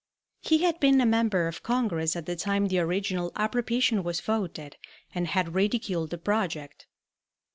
He had been a member of Congress at the time the original appropriation was voted, and had ridiculed the project.